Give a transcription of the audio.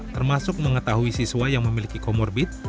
termasuk mengetahui siswa yang memiliki comorbid